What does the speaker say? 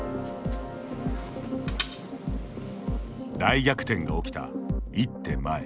大逆転が起きた、一手前。